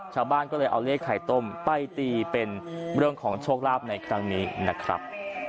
ชาวบ้านก็เลยเอาเลขไข่ต้มไปตีเป็นเรื่องของโชคลาภในครั้งนี้นะครับ